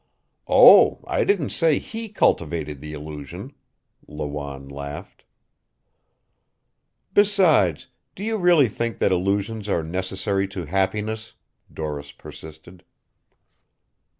"Oh, I didn't say he cultivated the illusion," Lawanne laughed. "Besides, do you really think that illusions are necessary to happiness?" Doris persisted.